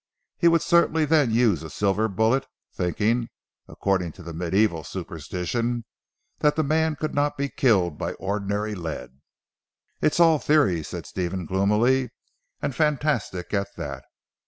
He would certainly then use a silver bullet, thinking (according to the mediæval superstition) that the man could not be killed by ordinary lead." "It's all theory," said Stephen gloomily, "and fantastic at that."